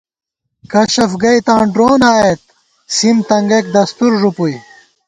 کشَف گئیتاں ڈرون آئیت، سِم تنگَئیک دستُور ݫُوپُوئی